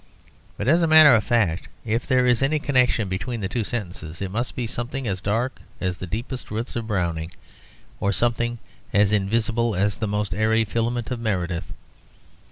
But, as a matter of fact, if there is any connection between the two sentences, it must be something as dark as the deepest roots of Browning, or something as invisible as the most airy filaments of Meredith.